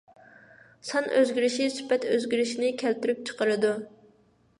سان ئۆزگىرىشى سۈپەت ئۆزگىرىشىنى كەلتۈرۈپ چىقىرىدۇ.